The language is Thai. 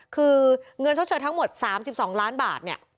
คือเงินชดเชยทั้งหมด๓๒ล้านบาทเนี่ย